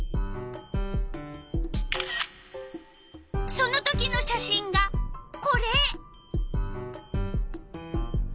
そのときの写真がこれ！